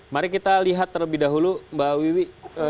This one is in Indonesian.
mari kita lihat terlebih dahulu mbak wiwi